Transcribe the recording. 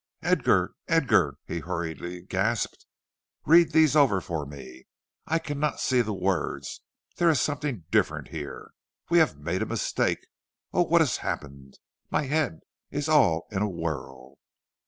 "Edgar, Edgar," he hurriedly gasped, "read these over for me; I cannot see the words; there is something different here; we have made a mistake! Oh, what has happened! my head is all in a whirl."